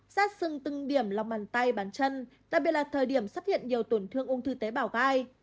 sát sưng từng điểm lòng bàn tay bàn chân đặc biệt là thời điểm xuất hiện nhiều tổn thương ung thư tế bào gai